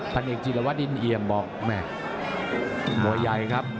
ภัณฑ์เอกจิลวะดินเอียมบอกมวยใหญ่ครับ